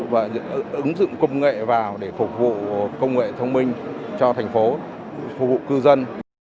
và ứng dụng công nghệ vào để phục vụ công nghệ thông minh cho thành phố phục vụ cư dân